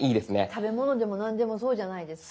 食べ物でも何でもそうじゃないですか。